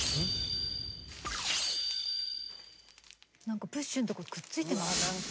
何かプッシュんとこくっついて。